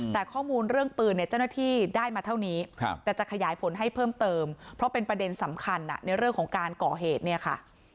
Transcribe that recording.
แต่ข้อมูลเรื่องปืนเนี่ยเจ้าหน้าที่ได้มาเท่านี้แต่จะขยายผลให้เพิ่มเติมเพราะเป็นประเด็นสำคัญในเรื่องของการก่อเหตุเนี่ยค่ะ